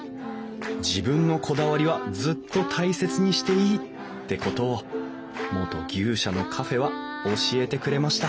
自分のこだわりはずっと大切にしていいってことを元牛舎のカフェは教えてくれました